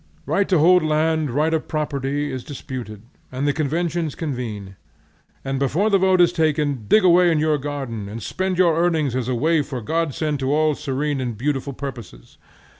Right to hold land, right of property, is disputed, and the conventions convene, and before the vote is taken, dig away in your garden, and spend your earnings as a waif or godsend to all serene and beautiful purposes.